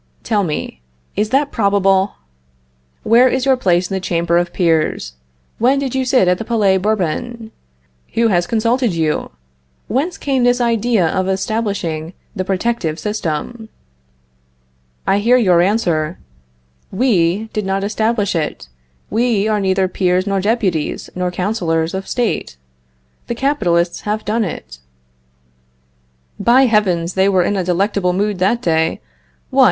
Tell me, is that probable? Where is your place in the Chamber of Peers? When did you sit at the Palais Bourbon? Who has consulted you? Whence came this idea of establishing the protective system? I hear your answer: We did not establish it. We are neither Peers nor Deputies, nor Counselors of State. The capitalists have done it. By heavens, they were in a delectable mood that day. What!